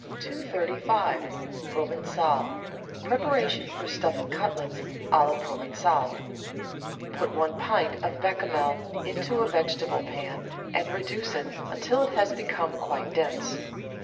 235— PROVEN^ALE (preparation for stuffing cutlets a la Provencale) Put one pint of Bechamel into a vegetable pan and reduce it until it has become quite dense.